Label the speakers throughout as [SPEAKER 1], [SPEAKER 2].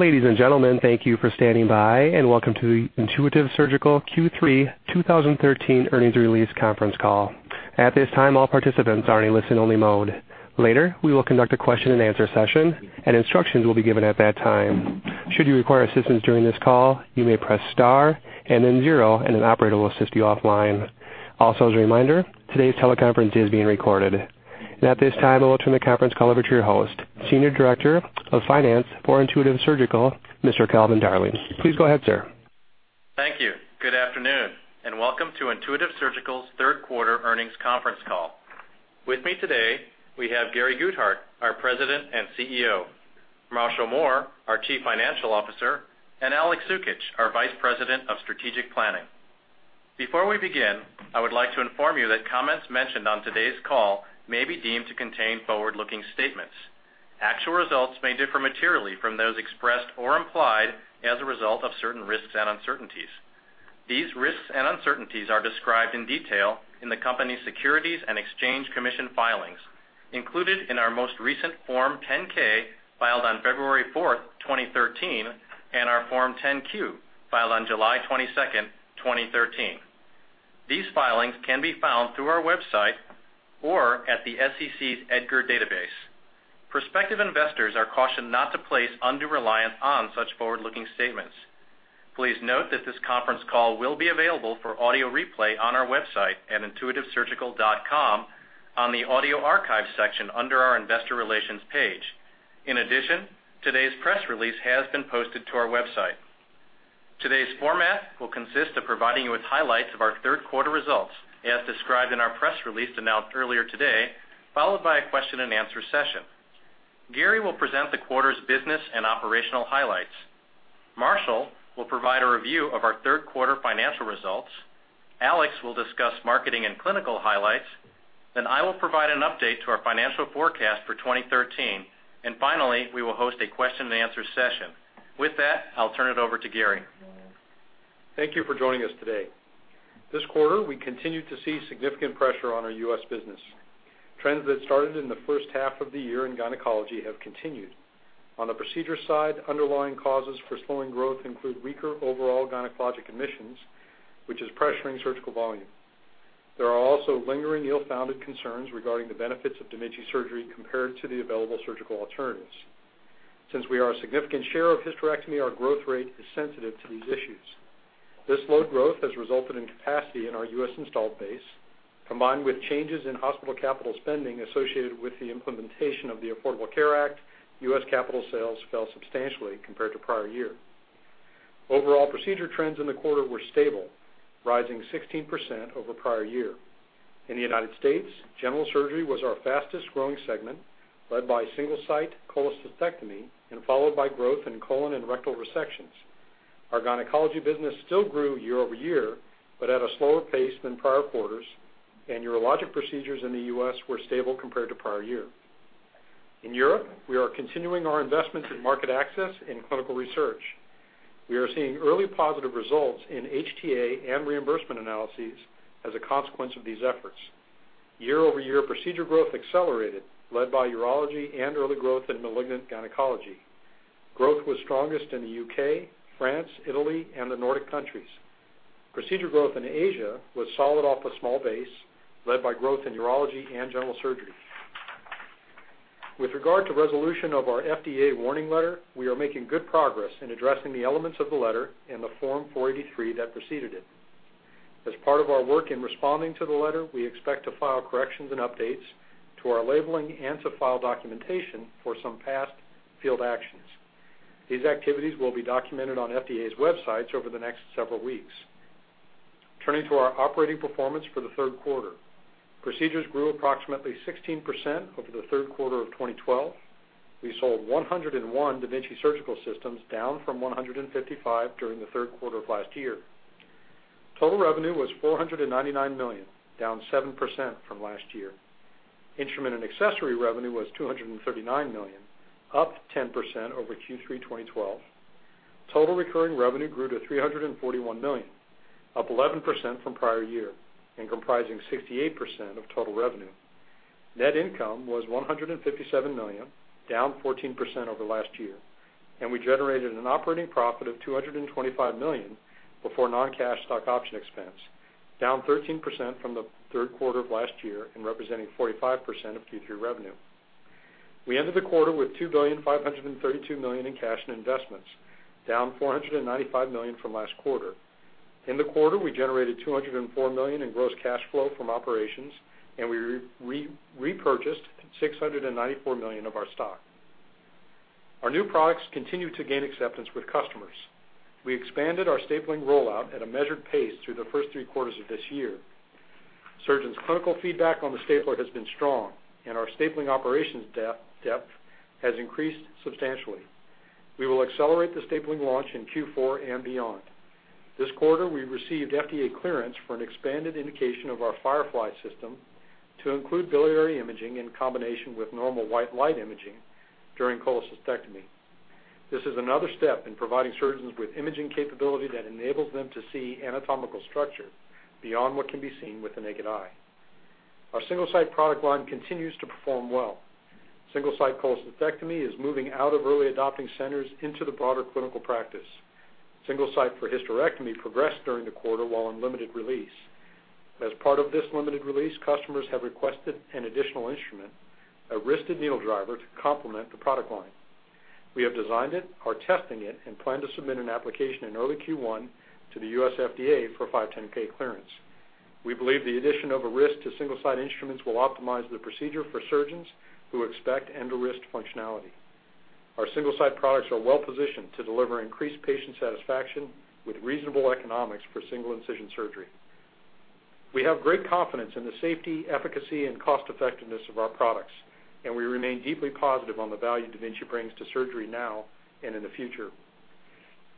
[SPEAKER 1] Ladies and gentlemen, thank you for standing by. Welcome to the Intuitive Surgical Q3 2013 earnings release conference call. At this time, all participants are in a listen-only mode. Later, we will conduct a question and answer session, and instructions will be given at that time. Should you require assistance during this call, you may press star and then zero, and an operator will assist you offline. As a reminder, today's teleconference is being recorded. At this time, I will turn the conference call over to your host, Senior Director of Finance for Intuitive Surgical, Mr. Calvin Darling. Please go ahead, sir.
[SPEAKER 2] Thank you. Good afternoon. Welcome to Intuitive Surgical's third quarter earnings conference call. With me today, we have Gary Guthart, our President and CEO, Marshall Mohr, our Chief Financial Officer, and Aleks Cukic, our Vice President of Strategic Planning. Before we begin, I would like to inform you that comments mentioned on today's call may be deemed to contain forward-looking statements. Actual results may differ materially from those expressed or implied as a result of certain risks and uncertainties. These risks and uncertainties are described in detail in the company's Securities and Exchange Commission filings, included in our most recent Form 10-K filed on February 4, 2013, and our Form 10-Q, filed on July 22, 2013. These filings can be found through our website or at the SEC's EDGAR database. Prospective investors are cautioned not to place undue reliance on such forward-looking statements. Please note that this conference call will be available for audio replay on our website at intuitivesurgical.com on the audio archive section under our investor relations page. In addition, today's press release has been posted to our website. Today's format will consist of providing you with highlights of our third quarter results, as described in our press release announced earlier today, followed by a question and answer session. Gary will present the quarter's business and operational highlights. Marshall will provide a review of our third quarter financial results. Aleks will discuss marketing and clinical highlights. I will provide an update to our financial forecast for 2013. Finally, we will host a question and answer session. With that, I'll turn it over to Gary.
[SPEAKER 3] Thank you for joining us today. This quarter, we continued to see significant pressure on our U.S. business. Trends that started in the first half of the year in gynecology have continued. On the procedure side, underlying causes for slowing growth include weaker overall gynecologic admissions, which is pressuring surgical volume. There are also lingering ill-founded concerns regarding the benefits of da Vinci surgery compared to the available surgical alternatives. Since we are a significant share of hysterectomy, our growth rate is sensitive to these issues. This slow growth has resulted in capacity in our U.S. installed base. Combined with changes in hospital capital spending associated with the implementation of the Affordable Care Act, U.S. capital sales fell substantially compared to prior year. Overall procedure trends in the quarter were stable, rising 16% over prior year. In the U.S., general surgery was our fastest-growing segment, led by Single-Site cholecystectomy and followed by growth in colon and rectal resections. Our gynecology business still grew year-over-year, but at a slower pace than prior quarters, and urologic procedures in the U.S. were stable compared to prior year. In Europe, we are continuing our investments in market access and clinical research. We are seeing early positive results in HTA and reimbursement analyses as a consequence of these efforts. Year-over-year procedure growth accelerated, led by urology and early growth in malignant gynecology. Growth was strongest in the U.K., France, Italy, and the Nordic countries. Procedure growth in Asia was solid off a small base, led by growth in urology and general surgery. With regard to resolution of our FDA warning letter, we are making good progress in addressing the elements of the letter and the Form 483 that preceded it. As part of our work in responding to the letter, we expect to file corrections and updates to our labeling and to file documentation for some past field actions. These activities will be documented on FDA's websites over the next several weeks. Turning to our operating performance for the third quarter. Procedures grew approximately 16% over the third quarter of 2012. We sold 101 da Vinci Surgical Systems, down from 155 during the third quarter of last year. Total revenue was $499 million, down 7% from last year. Instrument and accessory revenue was $239 million, up 10% over Q3 2012. Total recurring revenue grew to $341 million, up 11% from prior year and comprising 68% of total revenue. Net income was $157 million, down 14% over last year, and we generated an operating profit of $225 million before non-cash stock option expense, down 13% from the third quarter of last year and representing 45% of Q3 revenue. We ended the quarter with $2.532 billion in cash and investments, down $495 million from last quarter. In the quarter, we generated $204 million in gross cash flow from operations, and we repurchased $694 million of our stock. Our new products continue to gain acceptance with customers. We expanded our stapling rollout at a measured pace through the first three quarters of this year. Surgeons' clinical feedback on the stapler has been strong, and our stapling operations depth has increased substantially. We will accelerate the stapling launch in Q4 and beyond. This quarter, we received FDA clearance for an expanded indication of our Firefly System to include biliary imaging in combination with normal white light imaging during cholecystectomy. This is another step in providing surgeons with imaging capability that enables them to see anatomical structure beyond what can be seen with the naked eye. Our Single-Site product line continues to perform well. Single-Site cholecystectomy is moving out of early adopting centers into the broader clinical practice. Single-Site for hysterectomy progressed during the quarter while on limited release. As part of this limited release, customers have requested an additional instrument, a wristed needle driver, to complement the product line. We have designed it, are testing it, and plan to submit an application in early Q1 to the U.S. FDA for 510 clearance. We believe the addition of a wrist to Single-Site instruments will optimize the procedure for surgeons who expect end-to-wrist functionality. Our Single-Site products are well-positioned to deliver increased patient satisfaction with reasonable economics for single-incision surgery. We have great confidence in the safety, efficacy, and cost-effectiveness of our products, and we remain deeply positive on the value da Vinci brings to surgery now and in the future.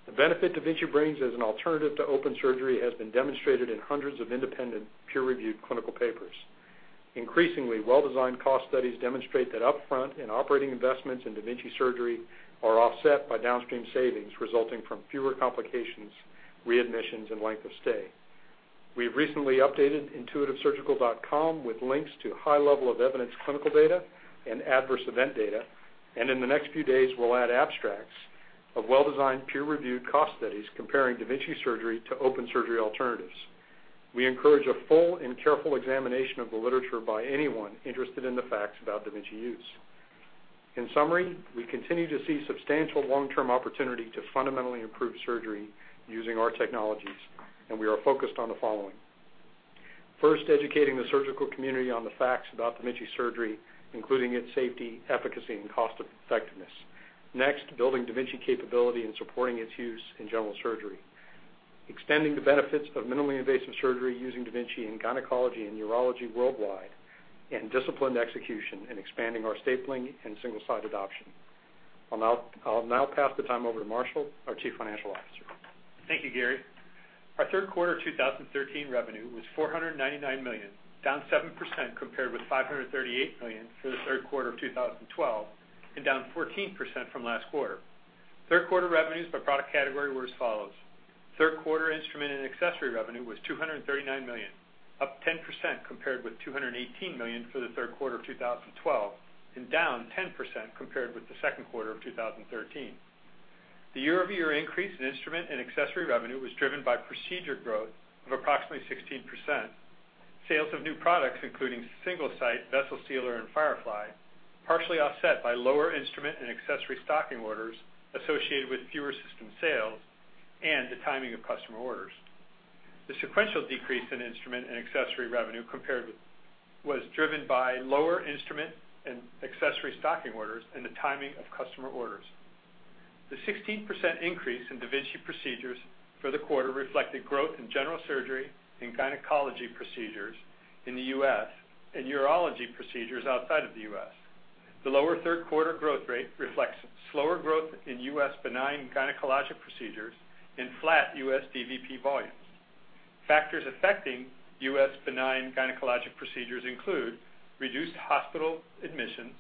[SPEAKER 3] The benefit da Vinci brings as an alternative to open surgery has been demonstrated in hundreds of independent, peer-reviewed clinical papers. Increasingly, well-designed cost studies demonstrate that upfront and operating investments in da Vinci surgery are offset by downstream savings resulting from fewer complications, readmissions, and length of stay. We've recently updated intuitivesurgical.com with links to high level of evidence clinical data and adverse event data. In the next few days, we'll add abstracts of well-designed, peer-reviewed cost studies comparing da Vinci surgery to open surgery alternatives. We encourage a full and careful examination of the literature by anyone interested in the facts about da Vinci use. In summary, we continue to see substantial long-term opportunity to fundamentally improve surgery using our technologies, and we are focused on the following. First, educating the surgical community on the facts about da Vinci surgery, including its safety, efficacy, and cost-effectiveness. Next, building da Vinci capability and supporting its use in general surgery, extending the benefits of minimally invasive surgery using da Vinci in gynecology and urology worldwide, and disciplined execution in expanding our stapling and Single-Site adoption. I'll now pass the time over to Marshall, our Chief Financial Officer.
[SPEAKER 4] Thank you, Gary. Our third quarter 2013 revenue was $499 million, down 7% compared with $538 million for the third quarter of 2012 and down 14% from last quarter. Third quarter revenues by product category were as follows. Third quarter instrument and accessory revenue was $239 million, up 10% compared with $218 million for the third quarter of 2012 and down 10% compared with the second quarter of 2013. The year-over-year increase in instrument and accessory revenue was driven by procedure growth of approximately 16%, sales of new products, including Single-Site, Vessel Sealer, and Firefly, partially offset by lower instrument and accessory stocking orders associated with fewer system sales and the timing of customer orders. The sequential decrease in instrument and accessory revenue was driven by lower instrument and accessory stocking orders and the timing of customer orders. The 16% increase in da Vinci procedures for the quarter reflected growth in general surgery and gynecology procedures in the U.S. and urology procedures outside of the U.S. The lower third-quarter growth rate reflects slower growth in U.S. benign gynecologic procedures and flat U.S. dVP volumes. Factors affecting U.S. benign gynecologic procedures include reduced hospital admissions,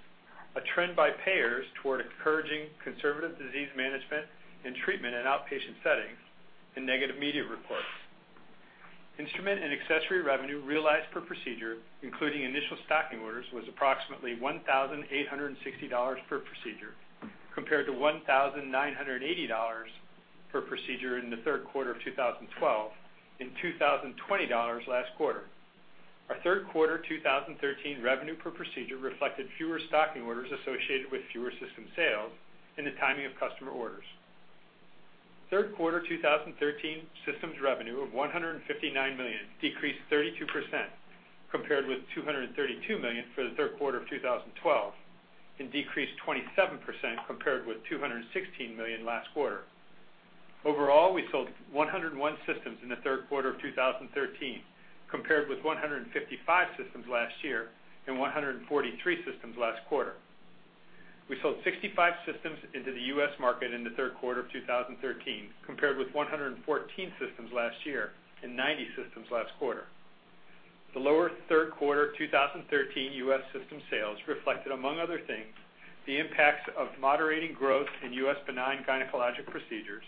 [SPEAKER 4] a trend by payers toward encouraging conservative disease management and treatment in outpatient settings, and negative media reports. Instrument and accessory revenue realized per procedure, including initial stocking orders, was approximately $1,860 per procedure, compared to $1,980 per procedure in the third quarter of 2012 and $2,020 last quarter. Our third quarter 2013 revenue per procedure reflected fewer stocking orders associated with fewer system sales and the timing of customer orders. Third quarter 2013 systems revenue of $159 million decreased 32% compared with $232 million for the third quarter of 2012 and decreased 27% compared with $216 million last quarter. Overall, we sold 101 systems in the third quarter of 2013 compared with 155 systems last year and 143 systems last quarter. We sold 65 systems into the U.S. market in the third quarter of 2013 compared with 114 systems last year and 90 systems last quarter. The lower Third quarter 2013 U.S. system sales reflected, among other things, the impacts of moderating growth in U.S. benign gynecologic procedures,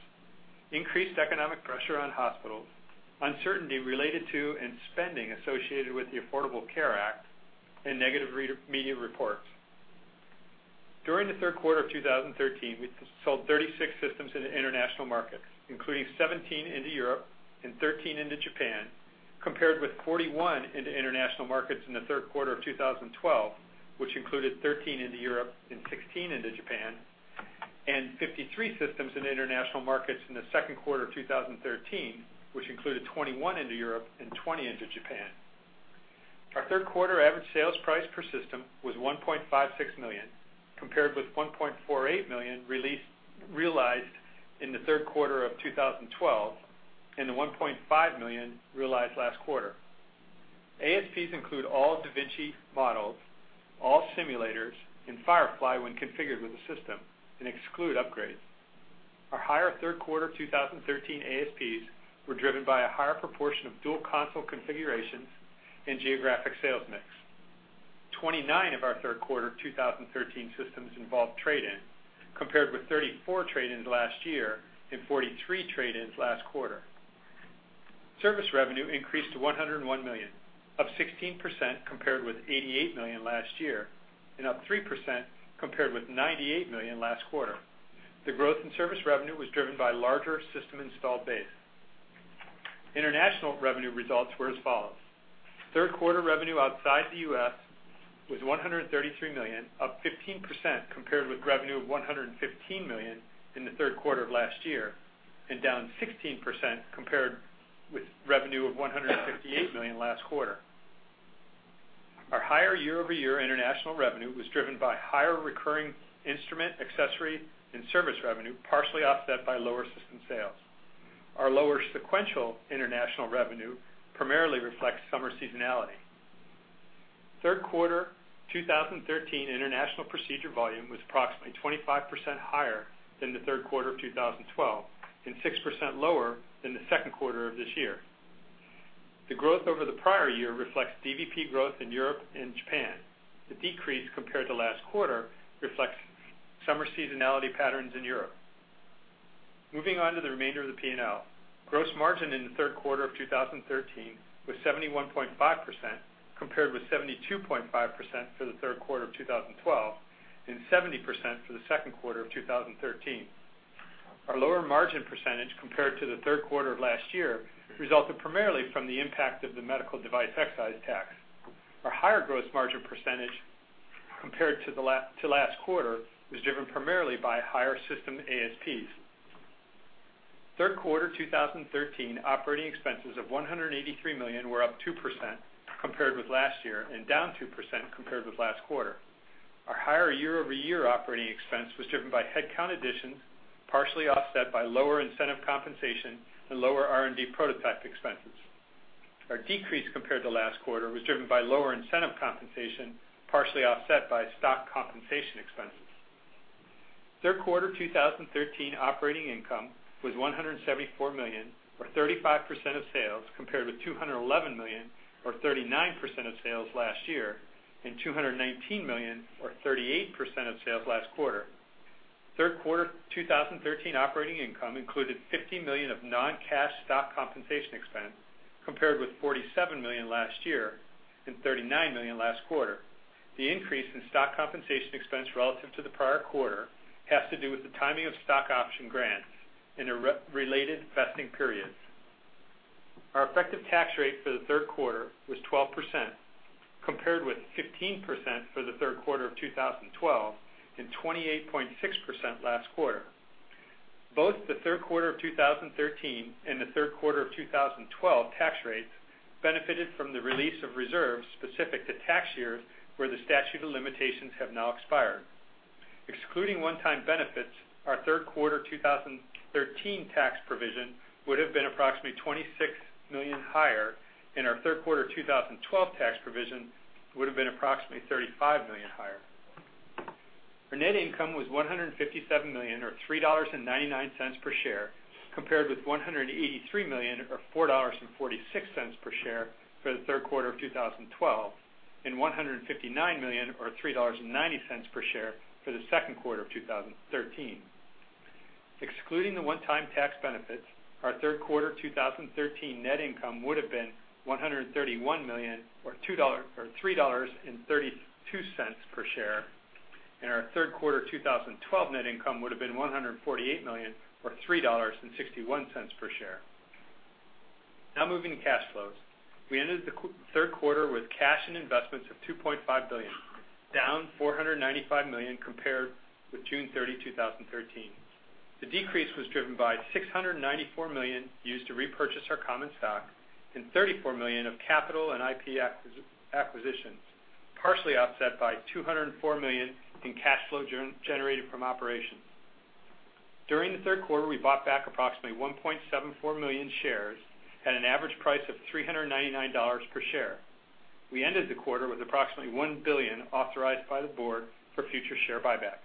[SPEAKER 4] increased economic pressure on hospitals, uncertainty related to and spending associated with the Affordable Care Act, and negative media reports. During the third quarter of 2013, we sold 36 systems in the international markets, including 17 into Europe and 13 into Japan. Compared with 41 into international markets in the third quarter of 2012, which included 13 into Europe and 16 into Japan, and 53 systems in international markets in the second quarter of 2013, which included 21 into Europe and 20 into Japan. Our third quarter average sales price per system was $1.56 million, compared with $1.48 million realized in the third quarter of 2012 and the $1.5 million realized last quarter. ASPs include all da Vinci models, all simulators, and Firefly when configured with the system and exclude upgrades. Our higher Third quarter 2013 ASPs were driven by a higher proportion of dual console configurations and geographic sales mix. 29 of our third quarter 2013 systems involved trade-in, compared with 34 trade-ins last year and 43 trade-ins last quarter. Service revenue increased to $101 million, up 16%, compared with $88 million last year, and up 3% compared with $98 million last quarter. The growth in service revenue was driven by larger system installed base. International revenue results were as follows. Third quarter revenue outside the U.S. was $133 million, up 15%, compared with revenue of $115 million in the third quarter of last year, and down 16% compared with revenue of $158 million last quarter. Our higher year-over-year international revenue was driven by higher recurring instrument accessory and service revenue, partially offset by lower system sales. Our lower sequential international revenue primarily reflects summer seasonality. Third quarter 2013 international procedure volume was approximately 25% higher than the third quarter of 2012 and 6% lower than the second quarter of this year. The growth over the prior year reflects dVP growth in Europe and Japan. The decrease compared to last quarter reflects summer seasonality patterns in Europe. Moving on to the remainder of the P&L. Gross margin in the third quarter of 2013 was 71.5%, compared with 72.5% for the third quarter of 2012 and 70% for the second quarter of 2013. Our lower margin percentage compared to the third quarter of last year resulted primarily from the impact of the medical device excise tax. Our higher gross margin percentage compared to last quarter was driven primarily by higher system ASPs. Third quarter 2013 operating expenses of $183 million were up 2% compared with last year and down 2% compared with last quarter. Our higher year-over-year operating expense was driven by headcount additions, partially offset by lower incentive compensation and lower R&D prototype expenses. Our decrease compared to last quarter was driven by lower incentive compensation, partially offset by stock compensation expenses. Third quarter 2013 operating income was $174 million, or 35% of sales, compared with $211 million, or 39% of sales last year, and $219 million, or 38% of sales last quarter. Third quarter 2013 operating income included $50 million of non-cash stock compensation expense, compared with $47 million last year and $39 million last quarter. The increase in stock compensation expense relative to the prior quarter has to do with the timing of stock option grants and related vesting periods. Our effective tax rate for the third quarter was 12%, compared with 15% for the third quarter of 2012 and 28.6% last quarter. Both the third quarter of 2013 and the third quarter of 2012 tax rates benefited from the release of reserves specific to tax years where the statute of limitations have now expired. Excluding one-time benefits, our third quarter 2013 tax provision would have been approximately $26 million higher, and our third quarter 2012 tax provision would have been approximately $35 million higher. Our net income was $157 million, or $3.99 per share, compared with $183 million or $4.46 per share for the third quarter of 2012 and $159 million or $3.90 per share for the second quarter of 2013. Excluding the one-time tax benefits, our third quarter 2013 net income would have been $131 million or $3.32 per share, and our third quarter 2012 net income would have been $148 million or $3.61 per share. Moving to cash flows. We ended the third quarter with cash and investments of $2.5 billion, down $495 million compared with June 30, 2013. The decrease was driven by $694 million used to repurchase our common stock and $34 million of capital and IP acquisitions, partially offset by $204 million in cash flow generated from operations. During the third quarter, we bought back approximately 1.74 million shares at an average price of $399 per share. We ended the quarter with approximately $1 billion authorized by the board for future share buybacks.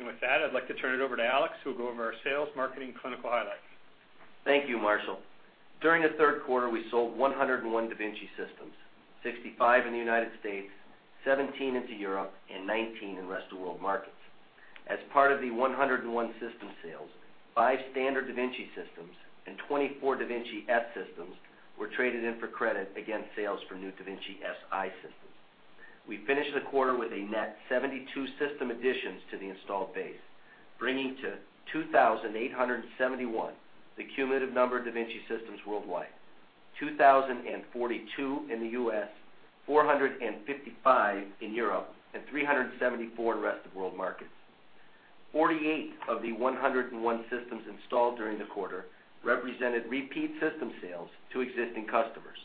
[SPEAKER 4] With that, I'd like to turn it over to Aleks, who will go over our sales, marketing, clinical highlights.
[SPEAKER 5] Thank you, Marshall. During the third quarter, we sold 101 da Vinci systems, 65 in the United States, 17 into Europe, and 19 in rest of world markets. As part of the 101 system sales, five standard da Vinci systems and 24 da Vinci S systems were traded in for credit against sales for new da Vinci Si systems. We finished the quarter with a net 72 system additions to the installed base, bringing to 2,871 the cumulative number of da Vinci systems worldwide. 2,042 in the U.S., 455 in Europe, and 374 in rest of world markets. 48 of the 101 systems installed during the quarter represented repeat system sales to existing customers.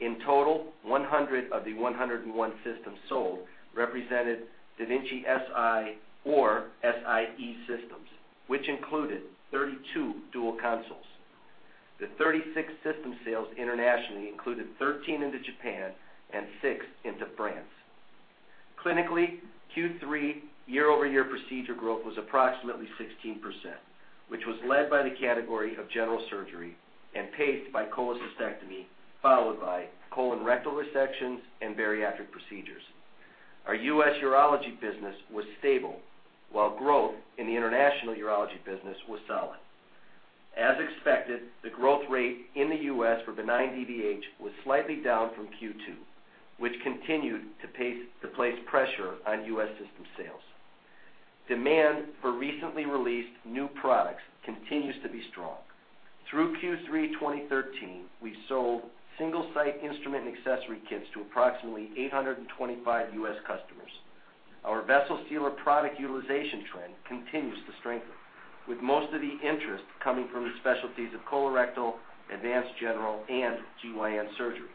[SPEAKER 5] In total, 100 of the 101 systems sold represented da Vinci Si or Si-e systems, which included 32 dual consoles. The 36 system sales internationally included 13 into Japan and 6 into France. Clinically, Q3 year-over-year procedure growth was approximately 16%, which was led by the category of general surgery and paced by cholecystectomy, followed by colon rectal resections and bariatric procedures. Our U.S. urology business was stable, while growth in the international urology business was solid. As expected, the growth rate in the U.S. for benign dVH was slightly down from Q2, which continued to place pressure on U.S. system sales. Demand for recently released new products continues to be strong. Through Q3 2013, we sold Single-Site instrument and accessory kits to approximately 825 U.S. customers. Our Vessel Sealer product utilization trend continues to strengthen, with most of the interest coming from the specialties of colorectal, advanced general, and GYN surgery.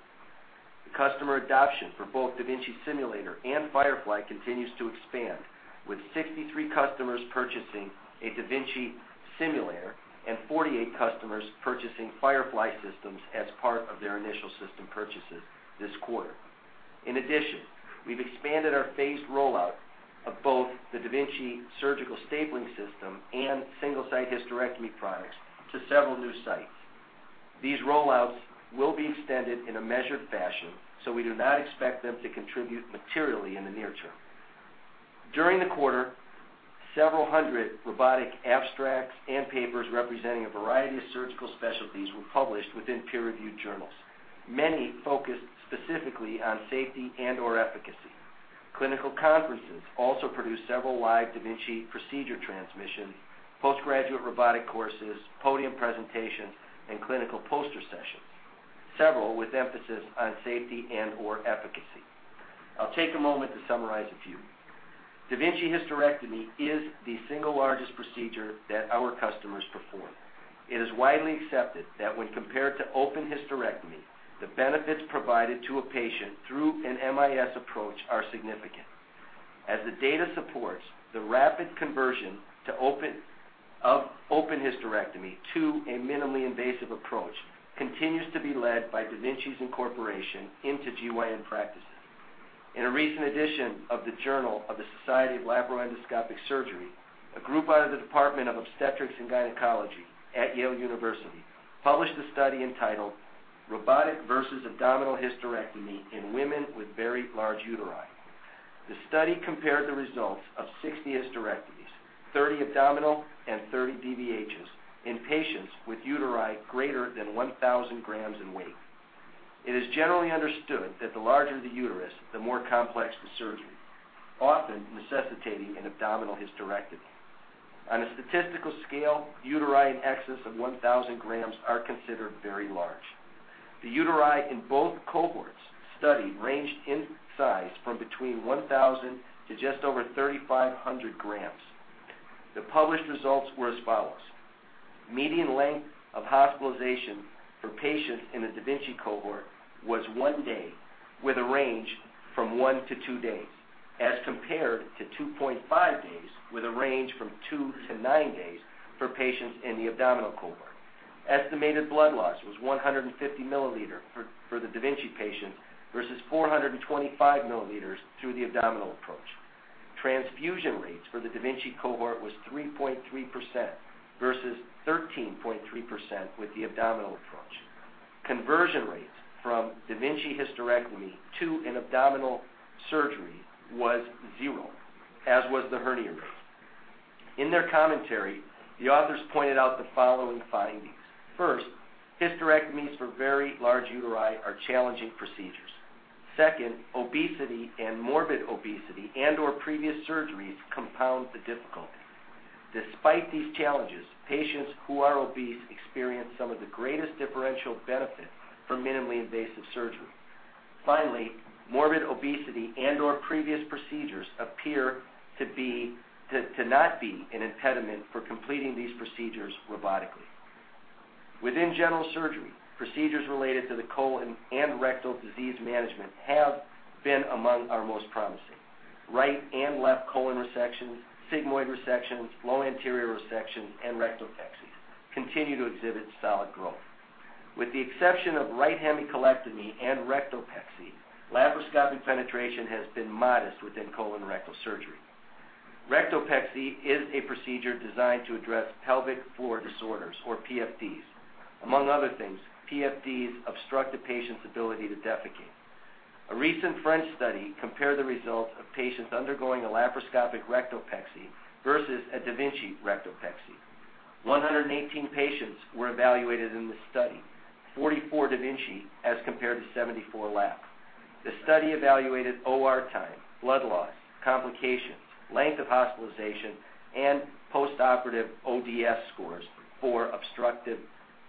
[SPEAKER 5] The customer adoption for both da Vinci simulator and Firefly continues to expand, with 63 customers purchasing a da Vinci simulator and 48 customers purchasing Firefly systems as part of their initial system purchases this quarter. In addition, we've expanded our phased rollout of both the da Vinci surgical stapling system and Single-Site hysterectomy products to several new sites. These rollouts will be extended in a measured fashion. We do not expect them to contribute materially in the near term. During the quarter, several hundred robotic abstracts and papers representing a variety of surgical specialties were published within peer-reviewed journals. Many focused specifically on safety and/or efficacy. Clinical conferences also produced several live da Vinci procedure transmissions, post-graduate robotic courses, podium presentations, and clinical poster sessions, several with emphasis on safety and/or efficacy. I'll take a moment to summarize a few. Da Vinci hysterectomy is the single largest procedure that our customers perform. It is widely accepted that when compared to open hysterectomy, the benefits provided to a patient through an MIS approach are significant. As the data supports, the rapid conversion of open hysterectomy to a minimally invasive approach continues to be led by da Vinci's incorporation into GYN practices. In a recent edition of the Journal of the Society of Laparoendoscopic Surgeons, a group out of the Department of Obstetrics and Gynecology at Yale University published a study entitled Robotic versus Abdominal Hysterectomy in Women with Very Large Uteri. The study compared the results of 60 hysterectomies, 30 abdominal and 30 dVHs, in patients with uteri greater than 1,000 grams in weight. It is generally understood that the larger the uterus, the more complex the surgery, often necessitating an abdominal hysterectomy. On a statistical scale, uteri in excess of 1,000 grams are considered very large. The uteri in both cohorts studied ranged in size from between 1,000 to just over 3,500 grams. The published results were as follows. Median length of hospitalization for patients in the da Vinci cohort was one day, with a range from one to two days, as compared to 2.5 days, with a range from two to nine days for patients in the abdominal cohort. Estimated blood loss was 150 milliliters for the da Vinci patients versus 425 milliliters through the abdominal approach. Transfusion rates for the da Vinci cohort was 3.3% versus 13.3% with the abdominal approach. Conversion rates from da Vinci hysterectomy to an abdominal surgery was zero, as was the hernia rate. In their commentary, the authors pointed out the following findings. First, hysterectomies for very large uteri are challenging procedures. Second, obesity and morbid obesity and/or previous surgeries compound the difficulty. Despite these challenges, patients who are obese experience some of the greatest differential benefit from minimally invasive surgery. Finally, morbid obesity and/or previous procedures appear to not be an impediment for completing these procedures robotically. Within general surgery, procedures related to the colon and rectal disease management have been among our most promising. Right and left colon resections, sigmoid resections, low anterior resections, and rectopexies continue to exhibit solid growth. With the exception of right hemicolectomy and rectopexy, laparoscopic penetration has been modest within colorectal surgery. Rectopexy is a procedure designed to address pelvic floor disorders, or PFDs. Among other things, PFDs obstruct a patient's ability to defecate. A recent French study compared the results of patients undergoing a laparoscopic rectopexy versus a da Vinci rectopexy. 118 patients were evaluated in this study, 44 da Vinci as compared to 74 lap. The study evaluated OR time, blood loss, complications, length of hospitalization, and postoperative ODS scores for obstructive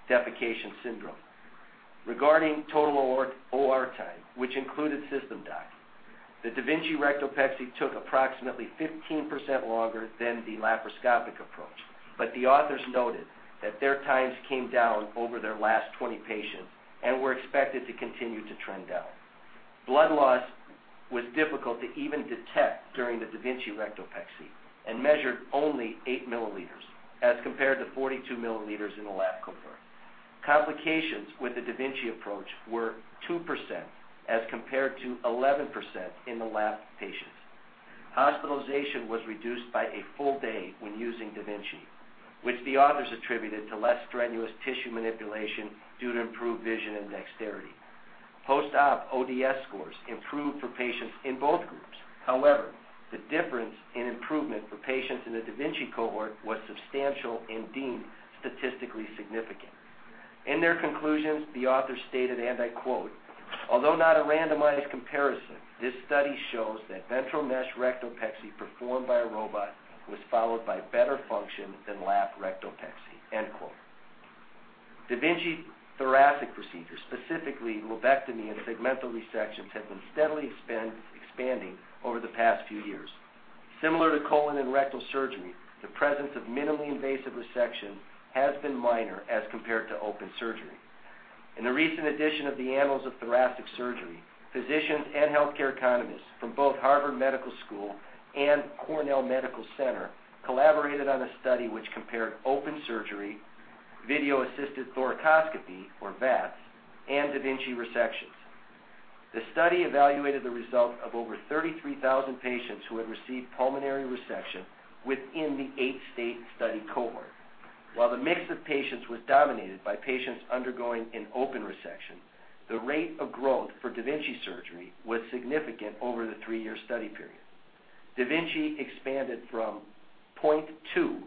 [SPEAKER 5] defecation syndrome. Regarding total OR time, which included system dock, the da Vinci rectopexy took approximately 15% longer than the laparoscopic approach, but the authors noted that their times came down over their last 20 patients and were expected to continue to trend down. Blood loss was difficult to even detect during the da Vinci rectopexy and measured only eight milliliters as compared to 42 milliliters in the lap cohort. Complications with the da Vinci approach were 2%, as compared to 11% in the lap patients. Hospitalization was reduced by a full day when using da Vinci, which the authors attributed to less strenuous tissue manipulation due to improved vision and dexterity. Post-op ODS scores improved for patients in both groups. The difference in improvement for patients in the da Vinci cohort was substantial and deemed statistically significant. In their conclusions, the author stated, and I quote, "Although not a randomized comparison, this study shows that ventral mesh rectopexy performed by a robot was followed by better function than lap rectopexy." End quote. da Vinci thoracic procedures, specifically lobectomy and segmental resections, have been steadily expanding over the past few years. Similar to colorectal surgery, the presence of minimally invasive resection has been minor as compared to open surgery. In a recent edition of The Annals of Thoracic Surgery, physicians and healthcare economists from both Harvard Medical School and Weill Cornell Medical Center collaborated on a study which compared open surgery, video-assisted thoracoscopy, or VATS, and da Vinci resections. The study evaluated the result of over 33,000 patients who had received pulmonary resection within the eight-state study cohort. While the mix of patients was dominated by patients undergoing an open resection, the rate of growth for da Vinci surgery was significant over the three-year study period. da Vinci expanded from 0.2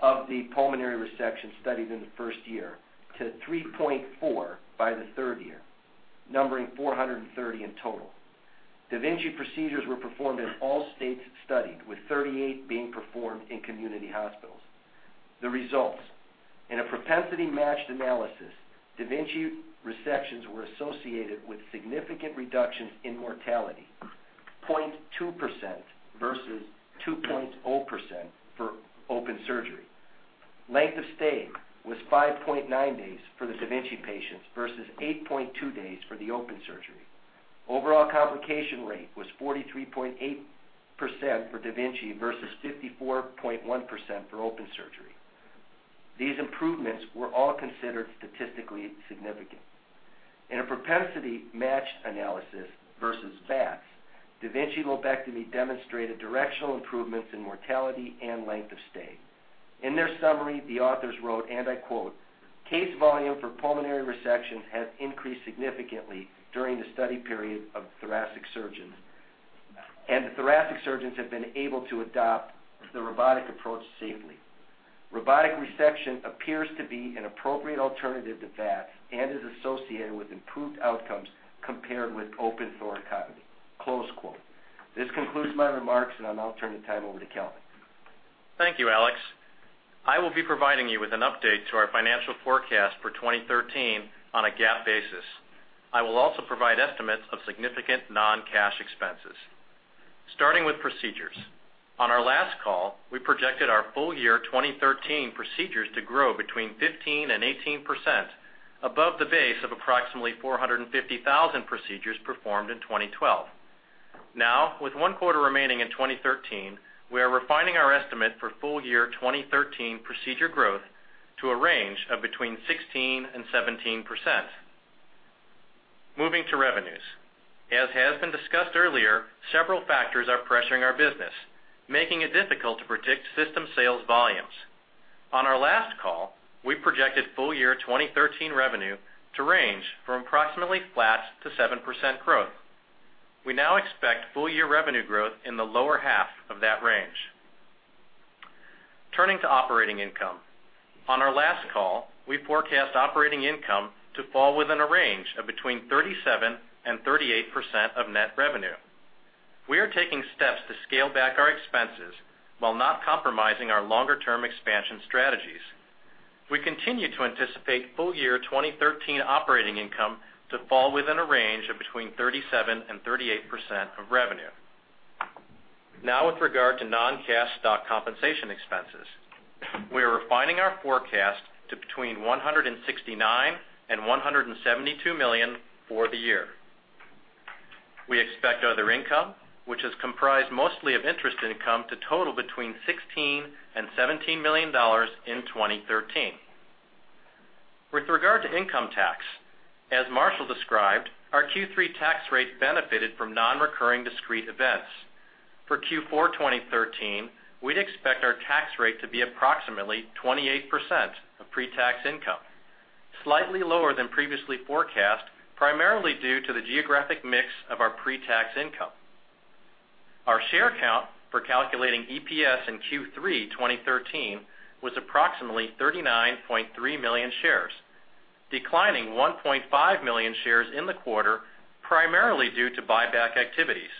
[SPEAKER 5] of the pulmonary resection studied in the first year to 3.4 by the third year, numbering 430 in total. da Vinci procedures were performed in all states studied, with 38 being performed in community hospitals. The results. In a propensity-matched analysis, da Vinci resections were associated with significant reductions in mortality, 0.2% versus 2.0% for open surgery. Length of stay was 5.9 days for the da Vinci patients versus 8.2 days for the open surgery. Overall complication rate was 43.8% for da Vinci versus 54.1% for open surgery. These improvements were all considered statistically significant. In a propensity-matched analysis versus VATS, da Vinci lobectomy demonstrated directional improvements in mortality and length of stay. In their summary, the authors wrote, and I quote, "Case volume for pulmonary resections has increased significantly during the study period of thoracic surgeons, and the thoracic surgeons have been able to adopt the robotic approach safely. Robotic resection appears to be an appropriate alternative to VATS and is associated with improved outcomes compared with open thoracotomy." Close quote. This concludes my remarks, and I'll now turn the time over to Calvin.
[SPEAKER 2] Thank you, Aleks. I will be providing you with an update to our financial forecast for 2013 on a GAAP basis. I will also provide estimates of significant non-cash expenses. Starting with procedures. On our last call, we projected our full year 2013 procedures to grow between 15% and 18% above the base of approximately 450,000 procedures performed in 2012. With one quarter remaining in 2013, we are refining our estimate for full year 2013 procedure growth to a range of between 16% and 17%. Moving to revenues. As has been discussed earlier, several factors are pressuring our business, making it difficult to predict system sales volumes. On our last call, we projected full year 2013 revenue to range from approximately flat to 7% growth. We now expect full year revenue growth in the lower half of that range. Turning to operating income. On our last call, we forecast operating income to fall within a range of between 37% and 38% of net revenue. We are taking steps to scale back our expenses while not compromising our longer-term expansion strategies. We continue to anticipate full year 2013 operating income to fall within a range of between 37% and 38% of revenue. With regard to non-cash stock compensation expenses. We are refining our forecast to between $169 million and $172 million for the year. We expect other income, which is comprised mostly of interest income, to total between $16 million and $17 million in 2013. With regard to income tax, as Marshall described, our Q3 tax rate benefited from non-recurring discrete events. For Q4 2013, we'd expect our tax rate to be approximately 28% of pre-tax income, slightly lower than previously forecast, primarily due to the geographic mix of our pre-tax income. Our share count for calculating EPS in Q3 2013 was approximately 39.3 million shares, declining 1.5 million shares in the quarter, primarily due to buyback activities.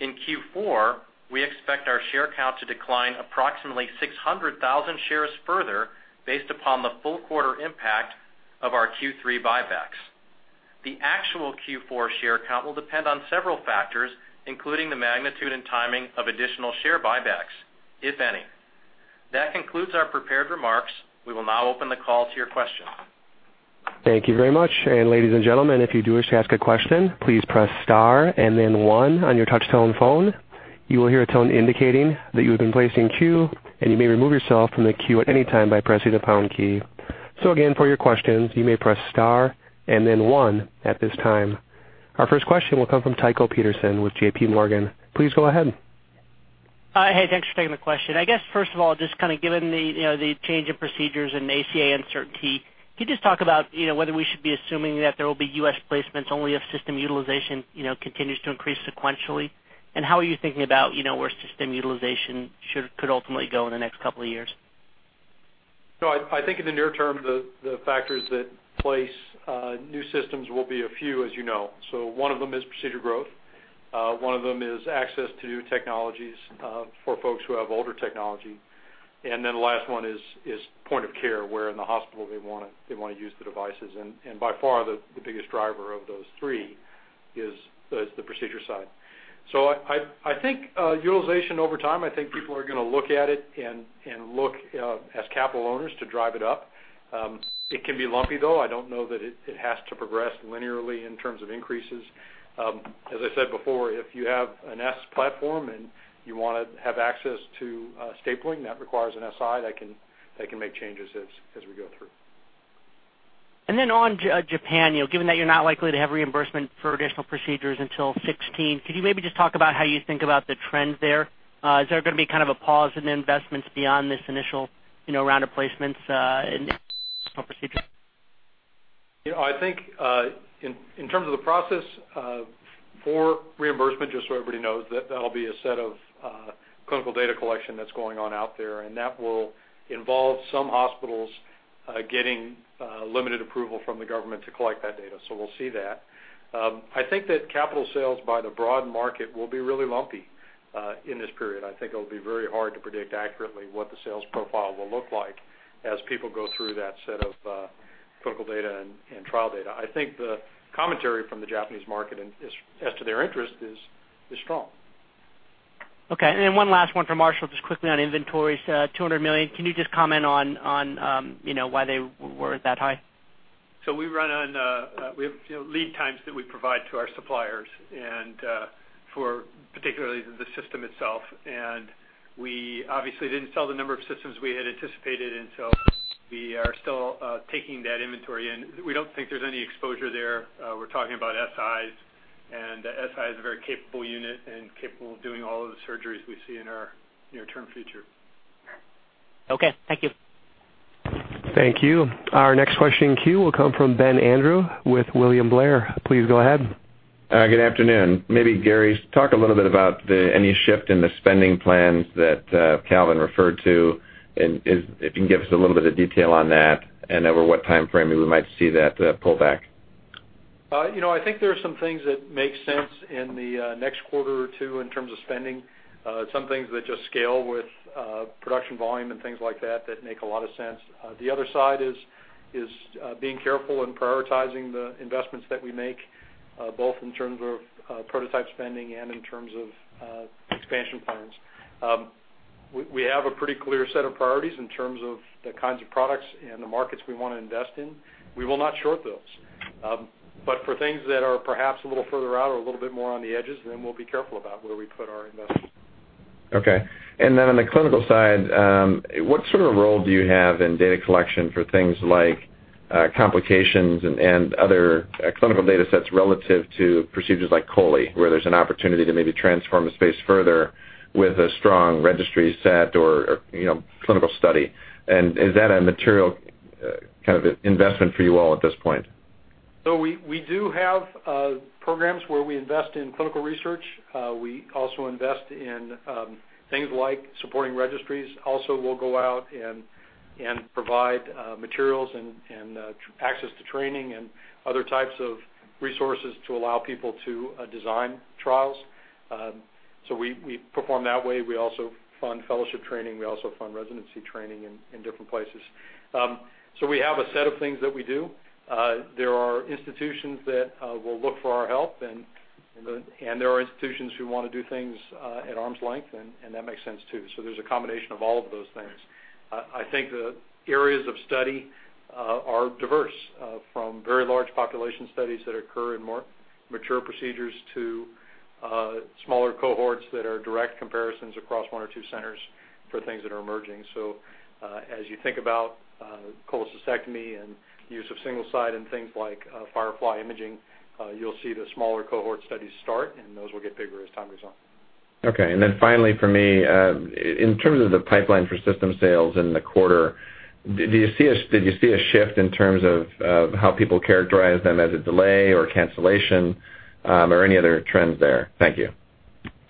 [SPEAKER 2] In Q4, we expect our share count to decline approximately 600,000 shares further based upon the full quarter impact of our Q3 buybacks. The actual Q4 share count will depend on several factors, including the magnitude and timing of additional share buybacks, if any. That concludes our prepared remarks. We will now open the call to your questions.
[SPEAKER 1] Thank you very much. Ladies and gentlemen, if you do wish to ask a question, please press star and then one on your touch-tone phone. You will hear a tone indicating that you have been placed in queue, and you may remove yourself from the queue at any time by pressing the pound key. Again, for your questions, you may press star and then one at this time. Our first question will come from Tycho Peterson with J.P. Morgan. Please go ahead.
[SPEAKER 6] Hi. Hey, thanks for taking the question. I guess first of all, just kind of given the change in procedures and ACA uncertainty, can you just talk about whether we should be assuming that there will be U.S. placements only if system utilization continues to increase sequentially? How are you thinking about where system utilization could ultimately go in the next couple of years?
[SPEAKER 3] I think in the near term, the factors that place new systems will be a few as you know. One of them is procedure growth, one of them is access to technologies for folks who have older technology, the last one is point of care, where in the hospital they want to use the devices. By far, the biggest driver of those three is the procedure side. I think utilization over time, I think people are going to look at it and look as capital owners to drive it up. It can be lumpy, though. I don't know that it has to progress linearly in terms of increases. As I said before, if you have an S platform and you want to have access to stapling, that requires an Si that can make changes as we go through.
[SPEAKER 6] On Japan, given that you're not likely to have reimbursement for additional procedures until 2016, could you maybe just talk about how you think about the trends there? Is there going to be kind of a pause in the investments beyond this initial round of placements in additional procedures?
[SPEAKER 3] I think in terms of the process for reimbursement, just so everybody knows, that'll be a set of clinical data collection that's going on out there, and that will involve some hospitals getting limited approval from the government to collect that data. We'll see that. I think that capital sales by the broad market will be really lumpy in this period. I think it'll be very hard to predict accurately what the sales profile will look like as people go through that set of clinical data and trial data. I think the commentary from the Japanese market as to their interest is strong.
[SPEAKER 6] Okay. One last one from Marshall, just quickly on inventories, $200 million. Can you just comment on why they were that high?
[SPEAKER 4] We have lead times that we provide to our suppliers, and for particularly the system itself. We obviously didn't sell the number of systems we had anticipated, we are still taking that inventory in. We don't think there's any exposure there. We're talking about Sis, and the Si is a very capable unit and capable of doing all of the surgeries we see in our near-term future.
[SPEAKER 6] Okay. Thank you.
[SPEAKER 1] Thank you. Our next question in queue will come from Ben Andrew with William Blair. Please go ahead.
[SPEAKER 7] Good afternoon. Maybe Gary, talk a little bit about any shift in the spending plans that Calvin referred to, if you can give us a little bit of detail on that and over what timeframe we might see that pullback.
[SPEAKER 3] I think there are some things that make sense in the next quarter or two in terms of spending. Some things that just scale with production volume and things like that make a lot of sense. The other side is being careful and prioritizing the investments that we make, both in terms of prototype spending and in terms of expansion plans. We have a pretty clear set of priorities in terms of the kinds of products and the markets we want to invest in. We will not short those. For things that are perhaps a little further out or a little bit more on the edges, then we'll be careful about where we put our investments.
[SPEAKER 7] Okay. Then on the clinical side, what sort of role do you have in data collection for things like complications and other clinical data sets relative to procedures like colo, where there's an opportunity to maybe transform the space further with a strong registry set or clinical study? Is that a material kind of investment for you all at this point?
[SPEAKER 3] We do have programs where we invest in clinical research. We also invest in things like supporting registries. We'll go out and provide materials and access to training and other types of resources to allow people to design trials. We perform that way. We also fund fellowship training. We also fund residency training in different places. We have a set of things that we do. There are institutions that will look for our help, and there are institutions who want to do things at arm's length, and that makes sense, too. There's a combination of all of those things. I think the areas of study are diverse, from very large population studies that occur in more mature procedures to smaller cohorts that are direct comparisons across one or two centers for things that are emerging. As you think about cholecystectomy and use of Single-Site and things like Firefly imaging, you'll see the smaller cohort studies start, and those will get bigger as time goes on.
[SPEAKER 7] Okay. Finally for me, in terms of the pipeline for system sales in the quarter, did you see a shift in terms of how people characterize them as a delay or cancellation, or any other trends there? Thank you.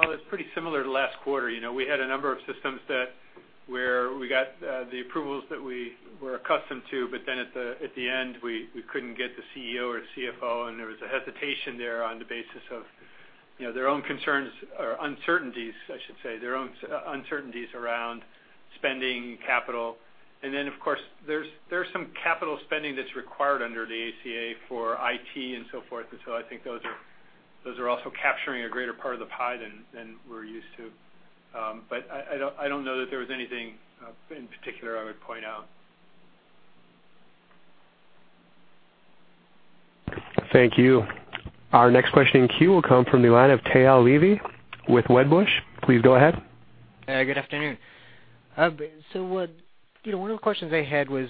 [SPEAKER 4] It's pretty similar to last quarter. We had a number of systems where we got the approvals that we were accustomed to, at the end, we couldn't get the CEO or CFO, and there was a hesitation there on the basis of their own concerns or uncertainties, I should say, their own uncertainties around spending capital. Of course, there's some capital spending that's required under the ACA for IT and so forth. I think those are
[SPEAKER 3] Those are also capturing a greater part of the pie than we're used to. I don't know that there was anything in particular I would point out.
[SPEAKER 1] Thank you. Our next question in queue will come from the line of Tao Levy with Wedbush. Please go ahead.
[SPEAKER 8] Good afternoon. One of the questions I had was,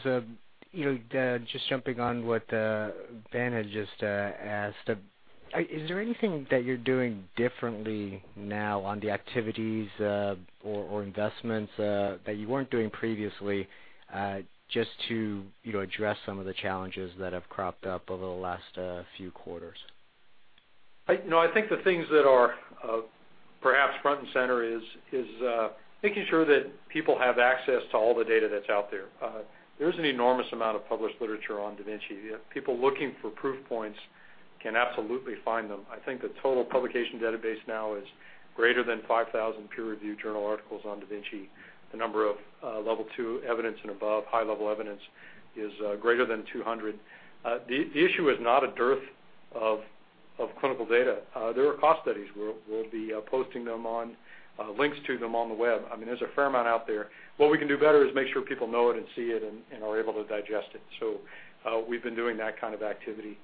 [SPEAKER 8] just jumping on what Ben had just asked, is there anything that you're doing differently now on the activities or investments that you weren't doing previously, just to address some of the challenges that have cropped up over the last few quarters?
[SPEAKER 3] No, I think the things that are perhaps front and center is making sure that people have access to all the data that's out there. There's an enormous amount of published literature on da Vinci. People looking for proof points can absolutely find them. I think the total publication database now is greater than 5,000 peer-reviewed journal articles on da Vinci. The number of level 2 evidence and above high-level evidence is greater than 200. The issue is not a dearth of clinical data. There are cost studies. We'll be posting links to them on the web. There's a fair amount out there. What we can do better is make sure people know it and see it and are able to digest it. We've been doing that kind of activity.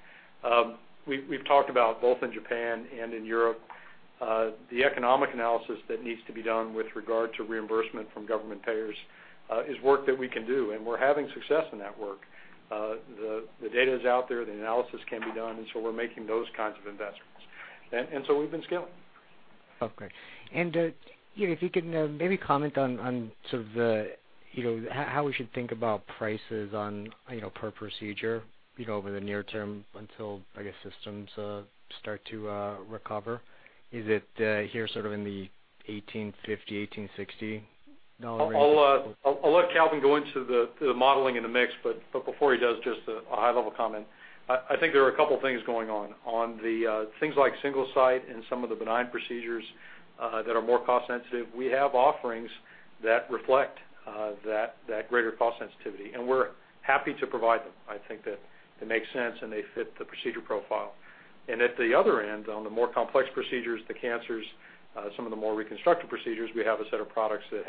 [SPEAKER 3] We've talked about, both in Japan and in Europe, the economic analysis that needs to be done with regard to reimbursement from government payers is work that we can do, and we're having success in that work. The data is out there, the analysis can be done, we're making those kinds of investments. We've been scaling.
[SPEAKER 8] Okay. If you can maybe comment on sort of how we should think about prices on per procedure over the near term until, I guess, systems start to recover. Is it here sort of in the $1,850, $1,860 range?
[SPEAKER 3] I'll let Calvin go into the modeling and the mix, but before he does, just a high level comment. I think there are a couple of things going on. On the things like Single-Site and some of the benign procedures that are more cost sensitive, we have offerings that reflect that greater cost sensitivity, and we're happy to provide them. I think that they make sense, and they fit the procedure profile. At the other end, on the more complex procedures, the cancers, some of the more reconstructive procedures, we have a set of products that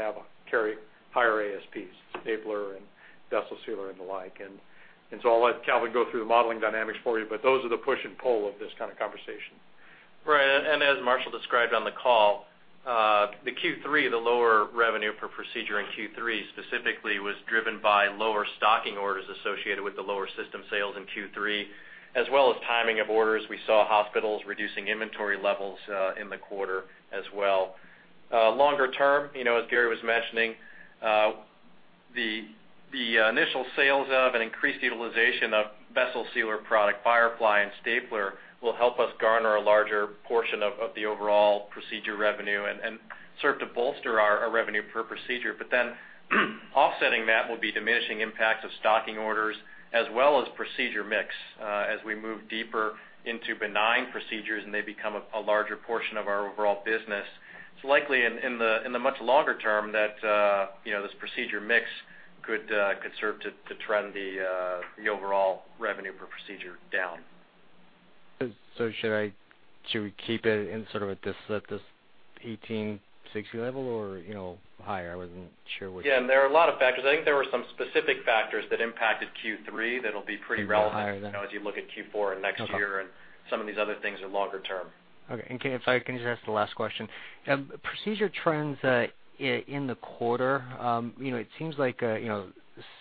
[SPEAKER 3] carry higher ASPs, stapler and Vessel Sealer and the like. I'll let Calvin go through the modeling dynamics for you, but those are the push and pull of this kind of conversation.
[SPEAKER 2] Right. As Marshall described on the call, the Q3, the lower revenue per procedure in Q3 specifically was driven by lower stocking orders associated with the lower system sales in Q3, as well as timing of orders. We saw hospitals reducing inventory levels in the quarter as well. Longer term, as Gary was mentioning, the initial sales of an increased utilization of Vessel Sealer product Firefly and stapler will help us garner a larger portion of the overall procedure revenue and serve to bolster our revenue per procedure. Offsetting that will be diminishing impacts of stocking orders as well as procedure mix. As we move deeper into benign procedures and they become a larger portion of our overall business, it's likely in the much longer term that this procedure mix could serve to trend the overall revenue per procedure down.
[SPEAKER 8] should we keep it in sort of at this $1,860 level or higher? I wasn't sure.
[SPEAKER 4] There are a lot of factors. I think there were some specific factors that impacted Q3 that'll be pretty relevant as you look at Q4 and next year, and some of these other things are longer term.
[SPEAKER 8] Can I just ask the last question? Procedure trends in the quarter, it seems like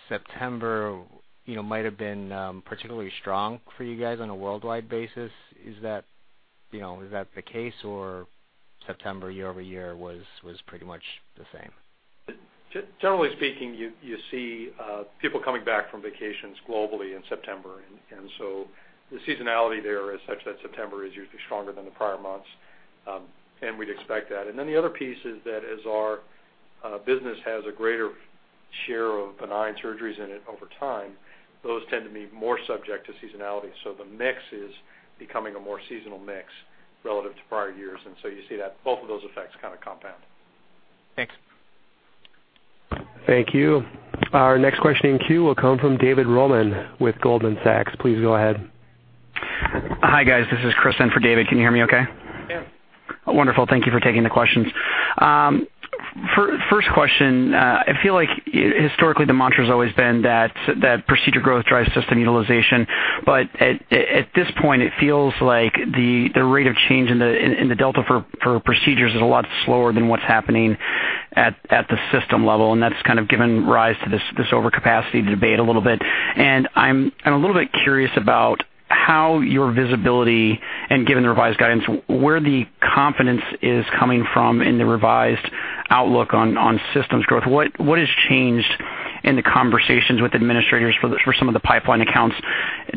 [SPEAKER 8] September might have been particularly strong for you guys on a worldwide basis. Is that the case or September year-over-year was pretty much the same?
[SPEAKER 3] Generally speaking, you see people coming back from vacations globally in September, and so the seasonality there is such that September is usually stronger than the prior months, and we'd expect that. The other piece is that as our business has a greater share of benign surgeries in it over time, those tend to be more subject to seasonality. The mix is becoming a more seasonal mix relative to prior years, and so you see both of those effects kind of compound.
[SPEAKER 8] Thanks.
[SPEAKER 1] Thank you. Our next question in queue will come from David Roman with Goldman Sachs. Please go ahead.
[SPEAKER 9] Hi, guys. This is Chris in for David. Can you hear me okay?
[SPEAKER 3] Yeah.
[SPEAKER 9] Wonderful. Thank you for taking the questions. First question, I feel like historically the mantra has always been that procedure growth drives system utilization. At this point, it feels like the rate of change in the delta for procedures is a lot slower than what's happening at the system level, and that's kind of given rise to this overcapacity debate a little bit. I'm a little bit curious about how your visibility, and given the revised guidance, where the confidence is coming from in the revised outlook on systems growth. What has changed in the conversations with administrators for some of the pipeline accounts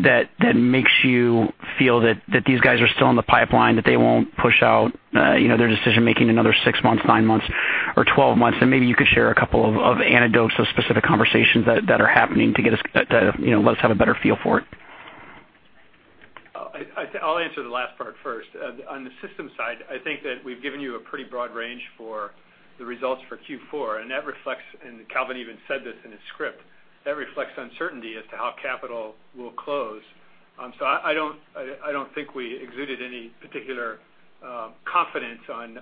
[SPEAKER 9] that makes you feel that these guys are still in the pipeline, that they won't push out their decision-making another six months, nine months or 12 months? Maybe you could share a couple of anecdotes of specific conversations that are happening to let us have a better feel for it.
[SPEAKER 4] I will answer the last part first. On the system side, I think that we've given you a pretty broad range for the results for Q4, and Calvin Darling even said this in his script, that reflects uncertainty as to how capital will close.
[SPEAKER 3] I don't think we exuded any particular confidence on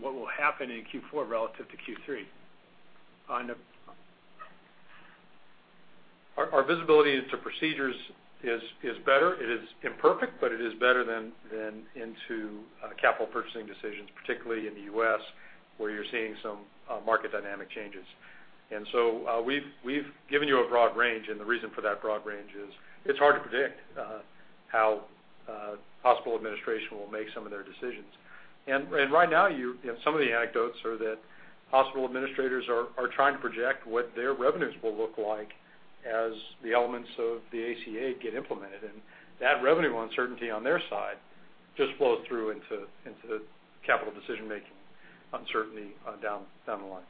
[SPEAKER 3] what will happen in Q4 relative to Q3. Our visibility into procedures is better. It is imperfect, but it is better than into capital purchasing decisions, particularly in the U.S., where you're seeing some market dynamic changes. We've given you a broad range, the reason for that broad range is it's hard to predict how hospital administration will make some of their decisions. Right now, some of the anecdotes are that hospital administrators are trying to project what their revenues will look like as the elements of the ACA get implemented. That revenue uncertainty on their side just flows through into capital decision making uncertainty down the line.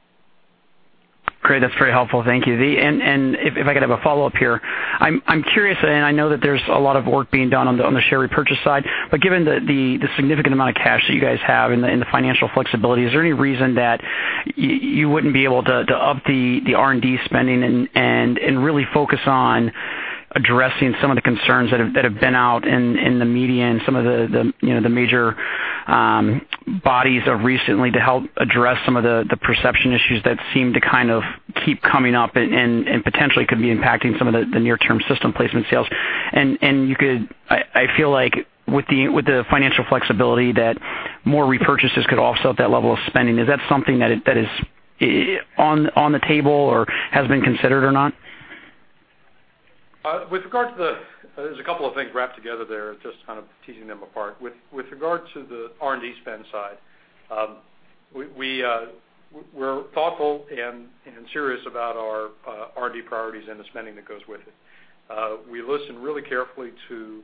[SPEAKER 9] Great. That's very helpful. Thank you. If I could have a follow-up here, I'm curious, I know that there's a lot of work being done on the share repurchase side, given the significant amount of cash that you guys have and the financial flexibility, is there any reason that you wouldn't be able to up the R&D spending and really focus on addressing some of the concerns that have been out in the media and some of the major bodies recently to help address some of the perception issues that seem to kind of keep coming up and potentially could be impacting some of the near term system placement sales? I feel like with the financial flexibility that more repurchases could offset that level of spending. Is that something that is on the table or has been considered or not?
[SPEAKER 3] There's a couple of things wrapped together there, just kind of teasing them apart. With regard to the R&D spend side, we're thoughtful and serious about our R&D priorities and the spending that goes with it. We listen really carefully to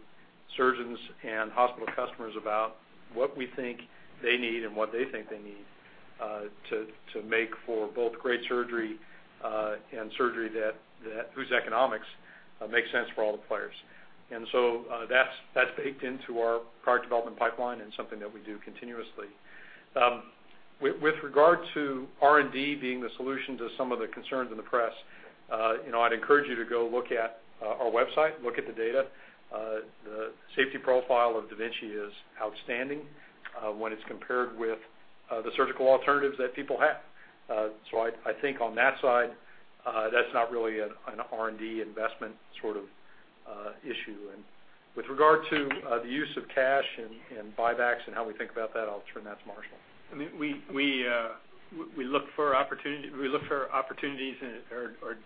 [SPEAKER 3] surgeons and hospital customers about what we think they need and what they think they need to make for both great surgery and surgery whose economics makes sense for all the players. That's baked into our product development pipeline and something that we do continuously. With regard to R&D being the solution to some of the concerns in the press, I'd encourage you to go look at our website, look at the data. The safety profile of da Vinci is outstanding when it's compared with the surgical alternatives that people have. I think on that side, that's not really an R&D investment sort of issue. With regard to the use of cash and buybacks and how we think about that, I'll turn that to Marshall.
[SPEAKER 4] We look for opportunities or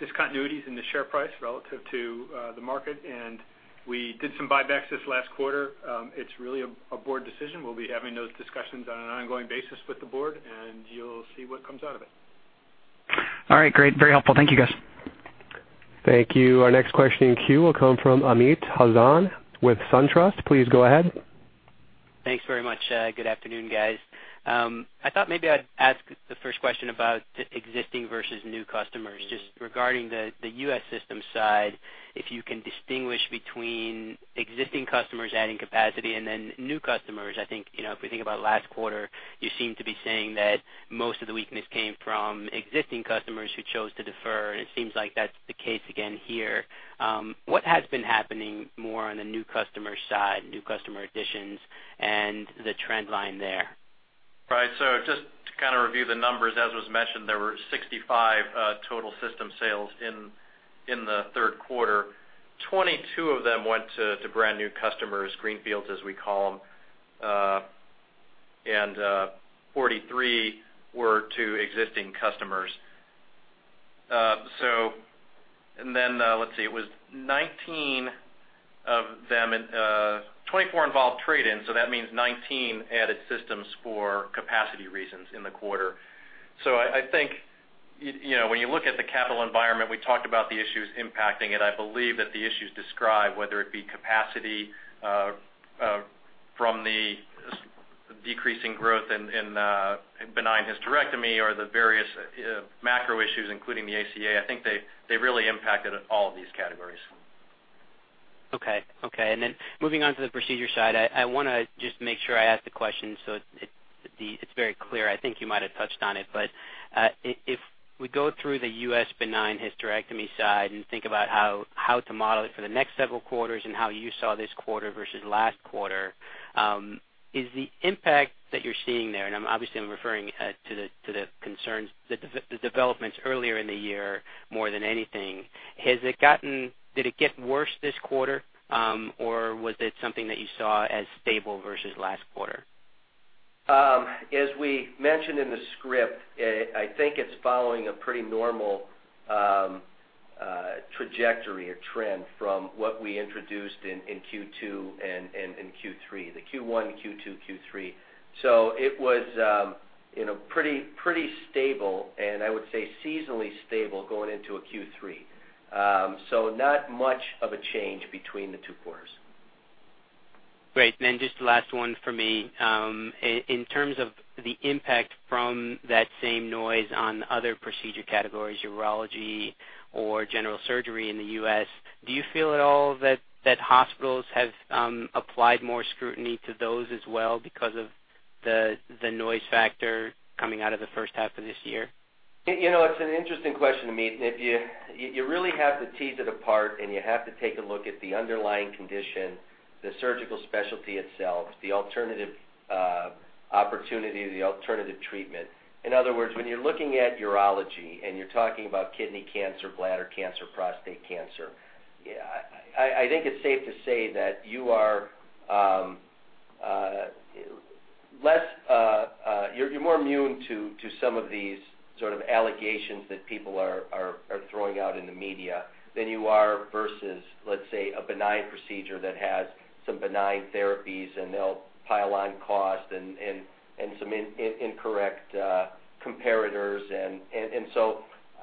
[SPEAKER 4] discontinuities in the share price relative to the market, and we did some buybacks this last quarter. It's really a board decision. We'll be having those discussions on an ongoing basis with the board, and you'll see what comes out of it.
[SPEAKER 9] All right. Great. Very helpful. Thank you, guys.
[SPEAKER 1] Thank you. Our next question in queue will come from Amit Hazan with SunTrust. Please go ahead.
[SPEAKER 10] Thanks very much. Good afternoon, guys. I thought maybe I'd ask the first question about existing versus new customers, just regarding the U.S. system side, if you can distinguish between existing customers adding capacity and then new customers. I think if we think about last quarter, you seem to be saying that most of the weakness came from existing customers who chose to defer, and it seems like that's the case again here. What has been happening more on the new customer side, new customer additions, and the trend line there?
[SPEAKER 3] Right. Just to kind of review the numbers, as was mentioned, there were 65 total system sales in the third quarter. 22 of them went to brand new customers, greenfields, as we call them, and 43 were to existing customers. Let's see, it was 19 of them, 24 involved trade-ins, that means 19 added systems for capacity reasons in the quarter. I think when you look at the capital environment, we talked about the issues impacting it. I believe that the issues described, whether it be capacity from the decreasing growth in benign hysterectomy or the various macro issues, including the ACA, I think they really impacted all of these categories.
[SPEAKER 10] Okay. Moving on to the procedure side, I want to just make sure I ask the question so it's very clear. I think you might have touched on it, but if we go through the U.S. benign hysterectomy side and think about how to model it for the next several quarters and how you saw this quarter versus last quarter, is the impact that you're seeing there, and obviously I'm referring to the concerns, the developments earlier in the year more than anything, did it get worse this quarter? Was it something that you saw as stable versus last quarter?
[SPEAKER 3] As we mentioned in the script, I think it's following a pretty normal trajectory or trend from what we introduced in Q2 and in Q3. The Q1, Q2, Q3. It was pretty stable, and I would say seasonally stable going into a Q3. Not much of a change between the two quarters.
[SPEAKER 10] Great. Then just the last one for me. In terms of the impact from that same noise on other procedure categories, urology or general surgery in the U.S., do you feel at all that hospitals have applied more scrutiny to those as well because of the noise factor coming out of the first half of this year?
[SPEAKER 5] It's an interesting question to me. You really have to tease it apart and you have to take a look at the underlying condition, the surgical specialty itself, the alternative opportunity, the alternative treatment. When you're looking at urology and you're talking about kidney cancer, bladder cancer, prostate cancer, I think it's safe to say that you're more immune to some of these sort of allegations that people are throwing out in the media than you are versus, let's say, a benign procedure that has some benign therapies and they'll pile on cost and some incorrect comparators.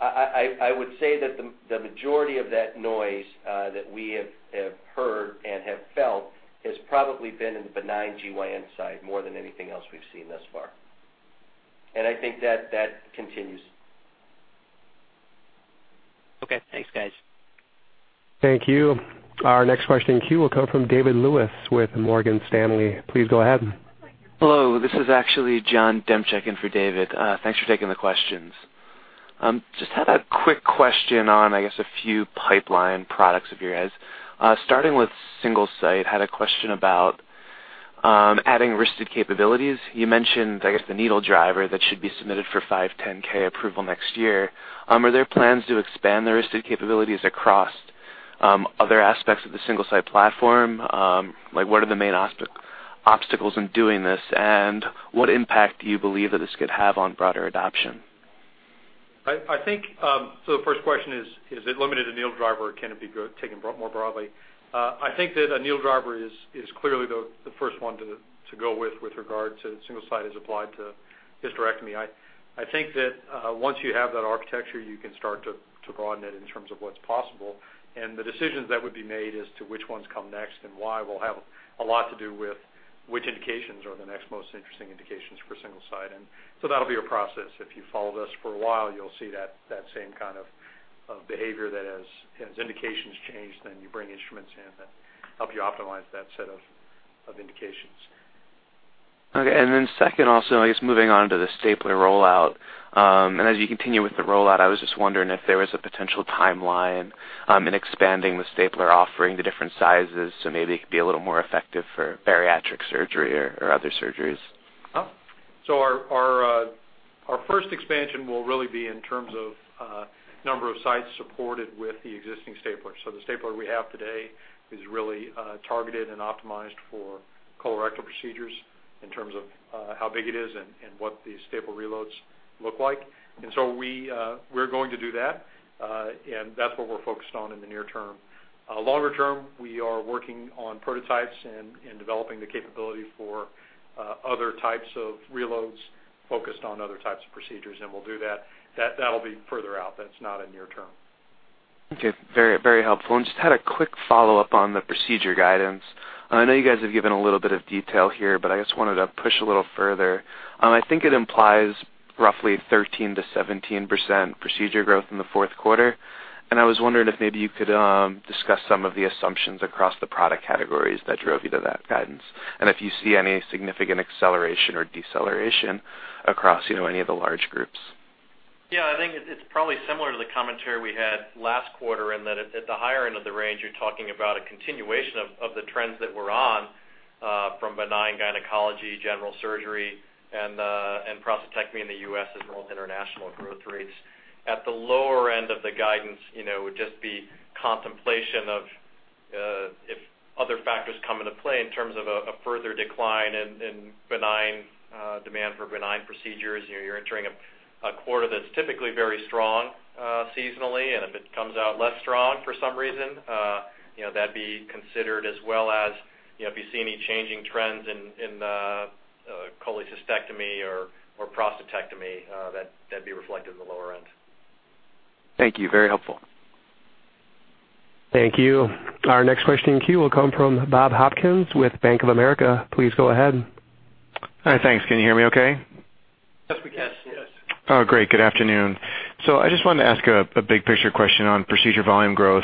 [SPEAKER 5] I would say that the majority of that noise that we have heard and have felt has probably been in the benign GYN side more than anything else we've seen thus far. I think that continues.
[SPEAKER 10] Okay. Thanks, guys.
[SPEAKER 1] Thank you. Our next question in queue will come from David Lewis with Morgan Stanley. Please go ahead.
[SPEAKER 11] Hello, this is actually John Demchak in for David. Thanks for taking the questions. Just had a quick question on, I guess, a few pipeline products of yours. Starting with Single-Site, had a question about adding wristed capabilities. You mentioned, I guess, the needle driver that should be submitted for 510 approval next year. Are there plans to expand the wristed capabilities across other aspects of the Single-Site platform? What are the main obstacles in doing this, and what impact do you believe that this could have on broader adoption?
[SPEAKER 3] The first question is it limited to needle driver or can it be taken more broadly? I think that a needle driver is clearly the first one to go with regard to Single-Site as applied to hysterectomy. I think that once you have that architecture, you can start to broaden it in terms of what's possible. The decisions that would be made as to which ones come next and why will have a lot to do with which indications are the next most interesting indications for Single-Site. That'll be a process. If you've followed us for a while, you'll see that same kind of behavior that as indications change, then you bring instruments in that help you optimize that set of indications.
[SPEAKER 11] Okay, then second also, I guess moving on to the stapler rollout. As you continue with the rollout, I was just wondering if there was a potential timeline in expanding the stapler offering to different sizes, so maybe it could be a little more effective for bariatric surgery or other surgeries.
[SPEAKER 3] Our first expansion will really be in terms of number of sites supported with the existing stapler. The stapler we have today is really targeted and optimized for colorectal procedures in terms of how big it is and what the staple reloads look like. We're going to do that, and that's what we're focused on in the near term. Longer term, we are working on prototypes and developing the capability for other types of reloads focused on other types of procedures, and we'll do that. That'll be further out. That's not in near term.
[SPEAKER 11] Okay. Very helpful. Just had a quick follow-up on the procedure guidance. I know you guys have given a little bit of detail here, I just wanted to push a little further. I think it implies roughly 13% to 17% procedure growth in the fourth quarter. I was wondering if maybe you could discuss some of the assumptions across the product categories that drove you to that guidance, and if you see any significant acceleration or deceleration across any of the large groups.
[SPEAKER 5] Yeah, I think it's probably similar to the commentary we had last quarter in that at the higher end of the range, you're talking about a continuation of the trends that we're on from benign gynecology, general surgery, and prostatectomy in the U.S. as well as international growth rates. At the lower end of the guidance, would just be contemplation of if other factors come into play in terms of a further decline in demand for benign procedures. You're entering a quarter that's typically very strong seasonally, and if it comes out less strong for some reason, that'd be considered as well as if you see any changing trends in cholecystectomy or prostatectomy, that'd be reflected in the lower end.
[SPEAKER 11] Thank you. Very helpful.
[SPEAKER 1] Thank you. Our next question in queue will come from Bob Hopkins with Bank of America. Please go ahead.
[SPEAKER 12] Hi, thanks. Can you hear me okay?
[SPEAKER 3] Yes, we can.
[SPEAKER 5] Yes.
[SPEAKER 12] Oh, great. Good afternoon. I just wanted to ask a big picture question on procedure volume growth,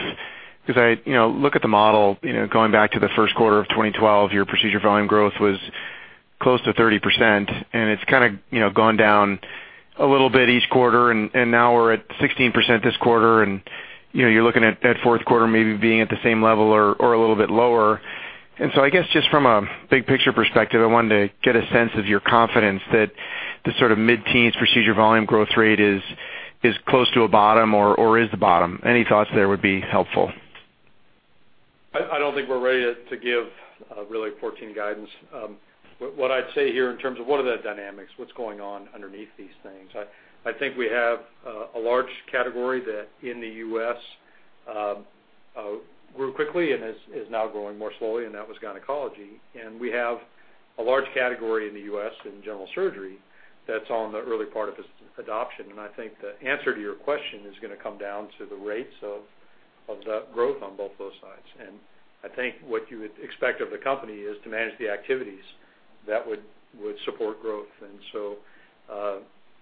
[SPEAKER 12] because I look at the model going back to the first quarter of 2012, your procedure volume growth was close to 30%, and it's kind of gone down a little bit each quarter, and now we're at 16% this quarter, and you're looking at that fourth quarter maybe being at the same level or a little bit lower. I guess just from a big picture perspective, I wanted to get a sense of your confidence that the sort of mid-teens procedure volume growth rate is close to a bottom or is the bottom. Any thoughts there would be helpful.
[SPEAKER 3] I don't think we're ready to give really guidance. What I'd say here in terms of what are the dynamics, what's going on underneath these things? I think we have a large category that in the U.S. grew quickly and is now growing more slowly, and that was gynecology. We have a large category in the U.S. in general surgery that's on the early part of its adoption. I think the answer to your question is going to come down to the rates of that growth on both those sides. I think what you would expect of the company is to manage the activities that would support growth.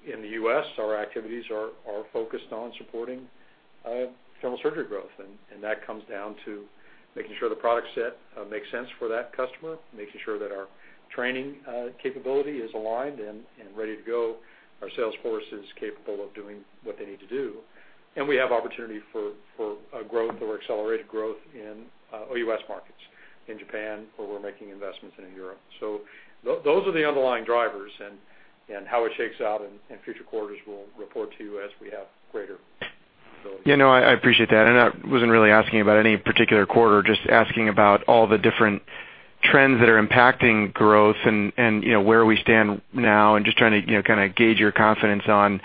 [SPEAKER 3] In the U.S., our activities are focused on supporting total surgery growth. That comes down to making sure the product set makes sense for that customer, making sure that our training capability is aligned and ready to go, our sales force is capable of doing what they need to do, and we have opportunity for growth or accelerated growth in OUS markets, in Japan, where we're making investments, and in Europe. Those are the underlying drivers, and how it shakes out in future quarters we'll report to you as we have greater ability.
[SPEAKER 12] Yeah, no, I appreciate that. I wasn't really asking about any particular quarter, just asking about all the different trends that are impacting growth and where we stand now, and just trying to gauge your confidence on,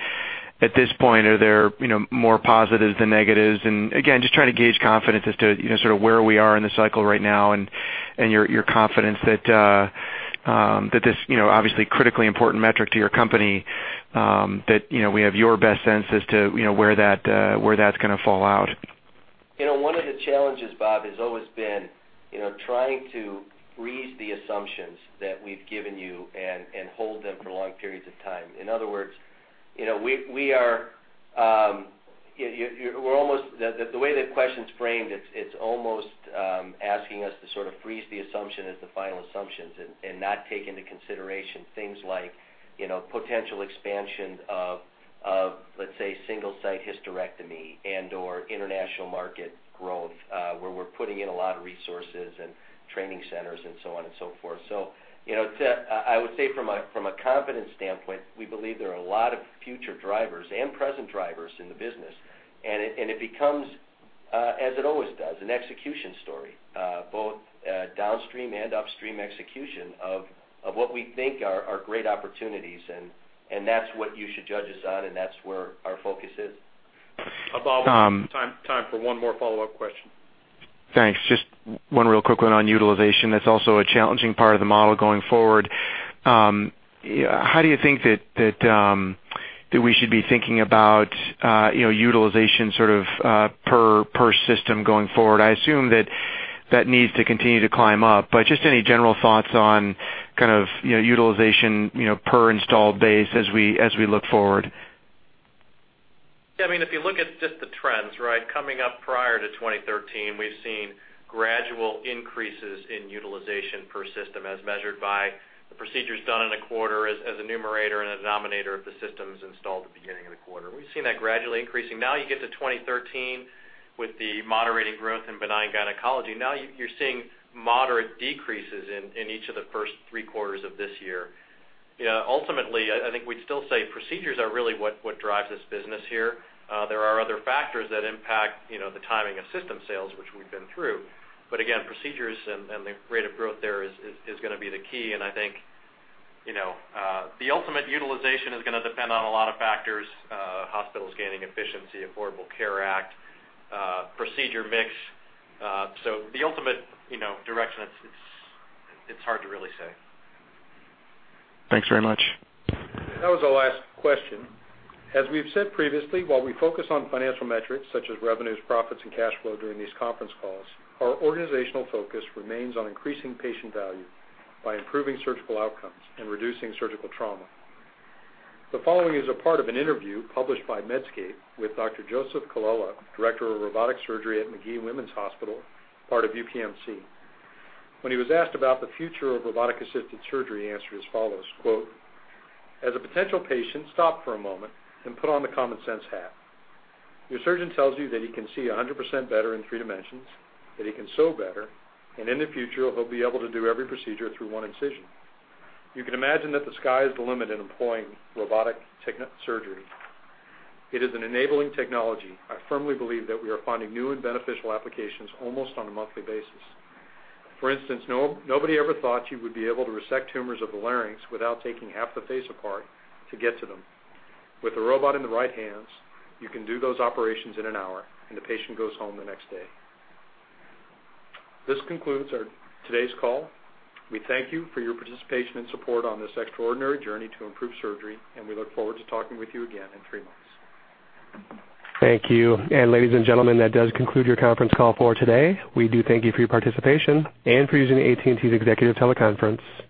[SPEAKER 12] at this point, are there more positives than negatives? Again, just trying to gauge confidence as to where we are in the cycle right now and your confidence that this, obviously critically important metric to your company, that we have your best sense as to where that's going to fall out.
[SPEAKER 5] One of the challenges, Bob, has always been trying to freeze the assumptions that we've given you and hold them for long periods of time. In other words, the way the question's framed, it's almost asking us to sort of freeze the assumption as the final assumptions and not take into consideration things like potential expansion of, let's say, Single-Site hysterectomy and/or international market growth where we're putting in a lot of resources and training centers and so on and so forth. I would say from a confidence standpoint, we believe there are a lot of future drivers and present drivers in the business. It becomes, as it always does, an execution story, both downstream and upstream execution of what we think are great opportunities, and that's what you should judge us on, and that's where our focus is.
[SPEAKER 3] Bob, time for one more follow-up question.
[SPEAKER 12] Thanks. Just one real quick one on utilization. That's also a challenging part of the model going forward. How do you think that we should be thinking about utilization per system going forward? I assume that that needs to continue to climb up, just any general thoughts on utilization per installed base as we look forward.
[SPEAKER 2] I mean, if you look at just the trends, coming up prior to 2013, we've seen gradual increases in utilization per system as measured by the procedures done in a quarter as a numerator and a denominator of the systems installed at the beginning of the quarter. We've seen that gradually increasing. You get to 2013 with the moderating growth in benign gynecology. You're seeing moderate decreases in each of the first three quarters of this year. Ultimately, I think we'd still say procedures are really what drives this business here. There are other factors that impact the timing of system sales, which we've been through. Again, procedures and the rate of growth there is going to be the key, and I think the ultimate utilization is going to depend on a lot of factors, hospitals gaining efficiency, Affordable Care Act, procedure mix. The ultimate direction, it's hard to really say.
[SPEAKER 12] Thanks very much.
[SPEAKER 3] That was the last question. As we've said previously, while we focus on financial metrics such as revenues, profits, and cash flow during these conference calls, our organizational focus remains on increasing patient value by improving surgical outcomes and reducing surgical trauma. The following is a part of an interview published by Medscape with Dr. Joseph Colella, Director of Robotic Surgery at UPMC Magee-Womens Hospital, part of UPMC. When he was asked about the future of robotic-assisted surgery, he answered as follows, quote, "As a potential patient, stop for a moment and put on the common sense hat. Your surgeon tells you that he can see 100% better in three dimensions, that he can sew better, and in the future, he'll be able to do every procedure through one incision. You can imagine that the sky is the limit in employing robotic surgery. It is an enabling technology. I firmly believe that we are finding new and beneficial applications almost on a monthly basis. For instance, nobody ever thought you would be able to resect tumors of the larynx without taking half the face apart to get to them. With a robot in the right hands, you can do those operations in an hour, and the patient goes home the next day. This concludes today's call. We thank you for your participation and support on this extraordinary journey to improve surgery, and we look forward to talking with you again in three months.
[SPEAKER 1] Thank you. Ladies and gentlemen, that does conclude your conference call for today. We do thank you for your participation and for using AT&T's executive teleconference. You may